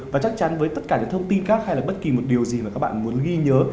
và chắc chắn với tất cả những thông tin khác hay là bất kỳ một điều gì mà các bạn muốn ghi nhớ